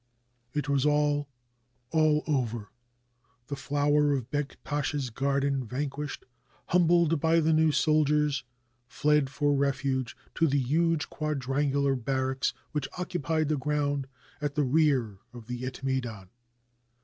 It was all, all over. The flowers of Begtash's garden, vanquished, humbled by the new soldiers, fled for refuge to the huge quadrangular barracks which occupied the ground at the rear of the Etmeidan.